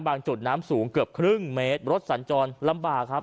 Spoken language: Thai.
จุดน้ำสูงเกือบครึ่งเมตรรถสัญจรลำบากครับ